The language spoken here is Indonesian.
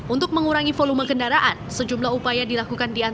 untuk mengurangi volume kendaraan sejumlah upaya dilakukan di antrian